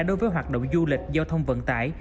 đối với hoạt động du lịch giao thông vận tải